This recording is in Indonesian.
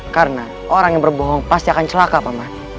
karena orang yang berbohong pasti akan celaka